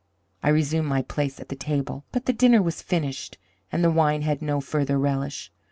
I resumed my place at the table; but the dinner was finished, and the wine had no further relish.